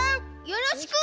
よろしく！